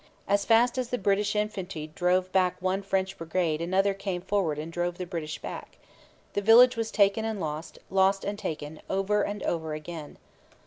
As fast as the British infantry drove back one French brigade another came forward and drove the British back. The village was taken and lost, lost and taken, over and over again.